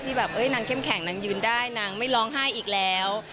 แบบนางเข้มแข็งนางยืนได้นางไม่ร้องไห้อีกแล้ว